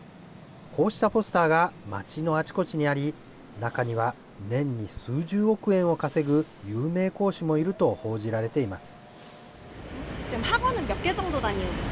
こうしたポスターが街のあちこちにあり、中には年に数十億円を稼ぐ有名講師もいると報じられています。